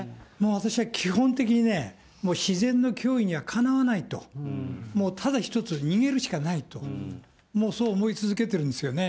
私は基本的にね、自然の脅威にはかなわないと、ただ一つ逃げるしかないと、もうそう思い続けているんですよね。